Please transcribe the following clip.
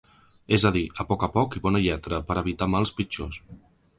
És a dir, a poc a poc i bona lletra, per evitar mals pitjors.